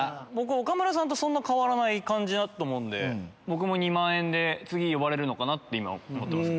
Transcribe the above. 岡村さんとそんな変わらない感じだと思うんで僕も２万円で次呼ばれるのかなと思ってます。